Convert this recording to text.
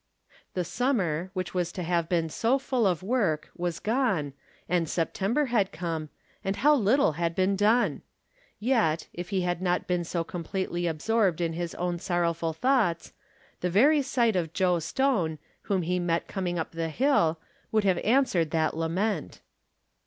The summer, which was to have been so full of work, was gone, and September had come, and how little had been done ! Yet, if he had not been so comxiletely absorbed in liis own sorrow ful thoughts, the very sight of Joe Stone, whom he met coming up the liill, would have answered that lament.